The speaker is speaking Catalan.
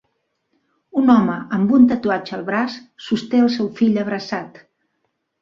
Un home amb un tatuatge al braç sosté el seu fill abraçat.